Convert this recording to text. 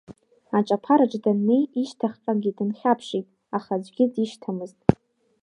Аҿаԥараҿ даннеи, ишьҭахьҟагьы дынхьаԥшит, аха аӡәгьы дишьҭамызт.